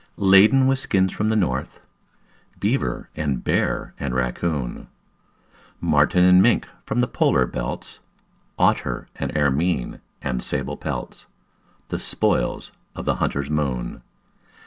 Laden with skins from the north, Beaver and bear and raccoon, Marten and mink from the polar belts, Otter and ermine and sable pelts The spoils of the hunter's moon.